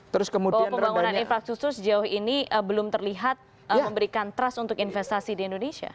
bahwa pembangunan infrastruktur sejauh ini belum terlihat memberikan trust untuk investasi di indonesia